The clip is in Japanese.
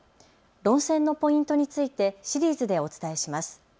論戦のポイントについてシリーズでお伝えします。